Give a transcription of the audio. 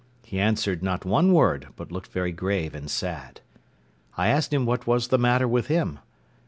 He answered not one word, but looked very grave and sad. I asked him what was the matter with him.